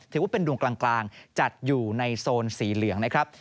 ถือว่าเป็นดวงกลางจัดอยู่ในโซนสีเหลืองนะครับ